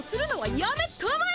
やめたまえ。